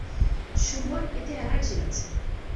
সুমোর এতে এলার্জি আছে।